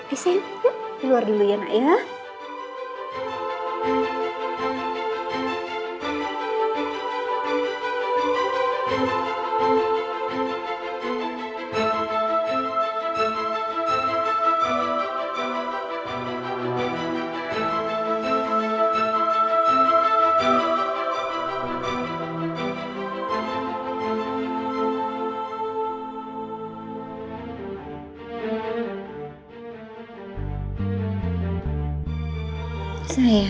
eh sayang keluar dulu ya nak ya